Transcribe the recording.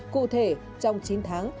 cụ thể trong chín tháng